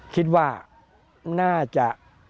คิดว่าน่าจะ